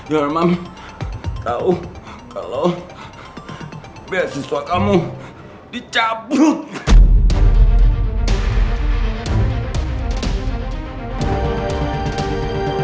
your mam tau kalau biar siswa kamu dicabut